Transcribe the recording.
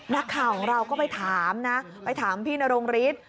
นักข่าวของเราก็ไปถามนะไปถามพี่นรงฤทธิ์